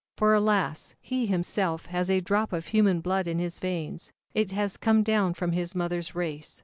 For, alas, he himself, has a drop of human blood in his veins, it has come down from his mother's race.